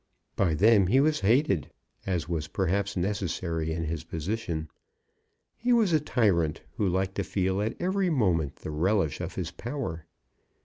By them he was hated, as was perhaps necessary in his position. He was a tyrant, who liked to feel at every moment the relish of his power.